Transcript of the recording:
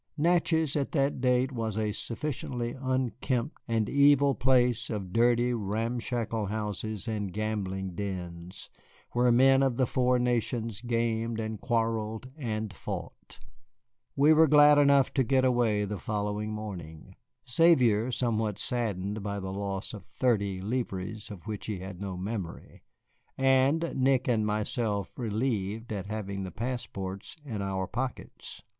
Natchez at that date was a sufficiently unkempt and evil place of dirty, ramshackle houses and gambling dens, where men of the four nations gamed and quarrelled and fought. We were glad enough to get away the following morning, Xavier somewhat saddened by the loss of thirty livres of which he had no memory, and Nick and myself relieved at having the passports in our pockets.